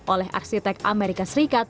oleh arsitek amerika serikat